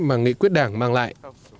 mà nghị quyết đảng mang lại